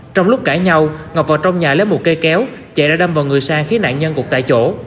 trong lúc cãi nhậu ngọc vào trong nhà lấy một cây kéo chạy ra đâm vào người sang khi nạn nhân gục tại chỗ